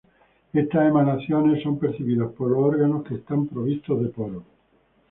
Estas emanaciones son percibidas por los órganos, que están provistos de poros.